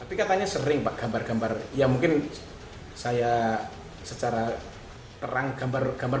tapi katanya sering pak gambar gambar ya mungkin saya secara terang gambar gambar